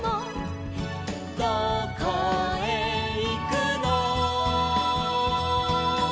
「どこへいくの」